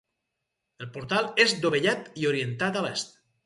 El portal és dovellat i orientat a l'Est.